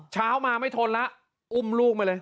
เช้ามาไม่ทนแล้วอุ้มลูกมาเลย